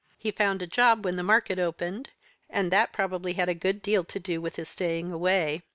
He found a job when the market opened, and that probably had a good deal to do with his staying away.